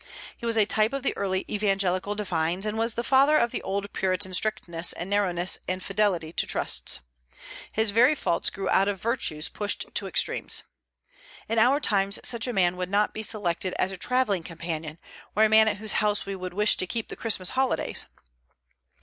He was a type of the early evangelical divines, and was the father of the old Puritan strictness and narrowness and fidelity to trusts. His very faults grew out of virtues pushed to extremes. In our times such a man would not be selected as a travelling companion, or a man at whose house we would wish to keep the Christmas holidays.